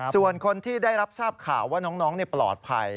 ส่วนคนที่ได้รับทราบข่าวว่าน้องปลอดภัย